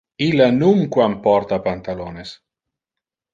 Illa nunquam porta pantalones.